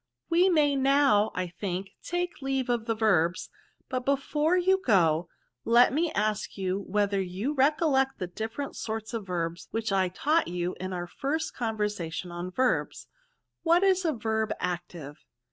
We may now, I think, take leave of the verbs ; but before you go, let me ask you, whether you recollect the different sorts of verbs which I taught you in our first con versation on verbs ? What is a verb active